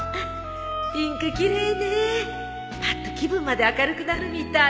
ピンク奇麗ねパッと気分まで明るくなるみたい